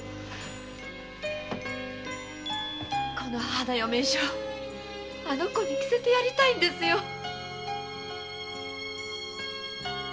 この花嫁衣装あの娘に着せてやりたいんですよ。